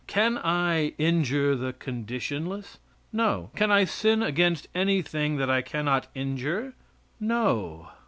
Can I injure the conditionless? No. Can I sin against anything that I cannot injure? No.